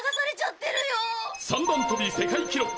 「三段跳び世界記ロック！」